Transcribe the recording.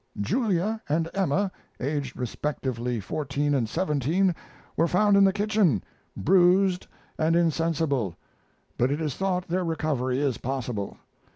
Julia and Emma, aged respectively fourteen and seventeen, were found in the kitchen, bruised and insensible, but it is thought their recovery is possible.